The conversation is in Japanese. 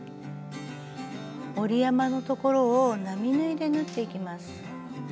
折り山の所を並縫いで縫っていきます。